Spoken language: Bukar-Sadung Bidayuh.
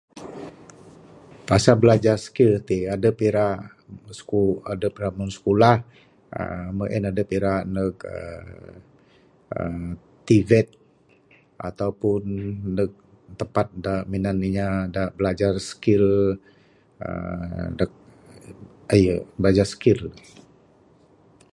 Pasal bilajar skill ti, adep ira sku- adup ira muhun sikulah [aar], meh en adep ira neg [aar], [aar] TVET ato pun neg tempat da minan inya da bilajar skill [aar] deg, aye bilajar skill lagi.